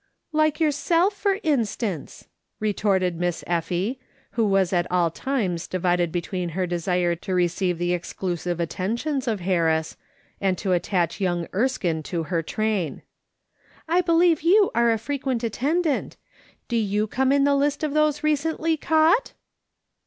" Like yourself, for instance," retorted Miss Effie, who was at all times divided between her desire to receive the exclusive attentions of Harris, and to attach young Erskine to her train. " I believe you are a frequent attendant. Do you come in the list of those recently caught